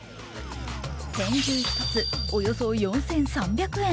天重一つおよそ４３００円。